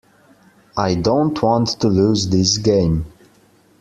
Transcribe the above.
I don't want to lose this game.